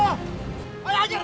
tak akan sampai gitu